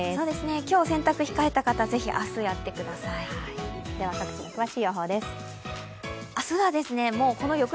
今日洗濯控えた方是非、明日やってください。